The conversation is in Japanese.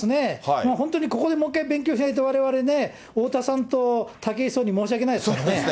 もう本当にここでもう一回勉強しないと、われわれね、太田さんと武井壮に申し訳ないですもんね。